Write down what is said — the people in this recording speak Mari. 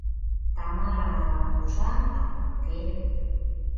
Тамара ала полша, ала уке?..